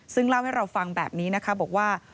ซึ่งเล่าให้เราฟังแบบนี้นะคะบอกว่า